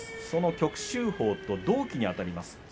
その旭秀鵬と同期にあたります